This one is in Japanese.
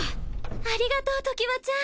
ありがとうときわちゃん。